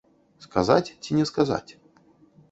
Сказаць ці не сказаць?